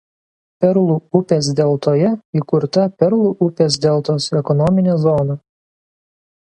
Perlų upės deltoje įkurta Perlų upės deltos ekonominė zona.